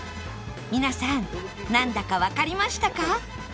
皆さんなんだかわかりましたか？